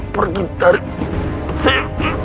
pergi dari sini